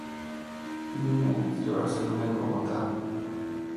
Vive entre Barcelona y Bogotá.